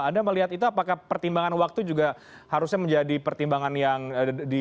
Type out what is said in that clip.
anda melihat itu apakah pertimbangan waktu juga harusnya menjadi pertimbangan yang diperlukan